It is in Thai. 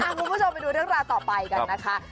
คุณผู้ชมไปดูเรื่องราวต่อไปกันนะคะ